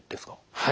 はい。